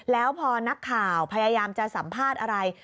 แล้วพอนักข่าวพยายามจะสัมภาษณ์อะไร